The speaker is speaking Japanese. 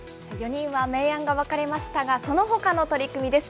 ４人は明暗が分かれましたが、そのほかの取組です。